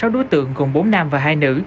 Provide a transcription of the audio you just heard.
sáu đối tượng gồm bốn nam và hai nữ